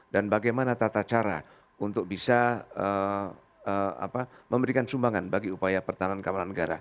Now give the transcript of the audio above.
dan bagaimana tata cara untuk bisa memberikan sumbangan bagi upaya pertahanan keamanan negara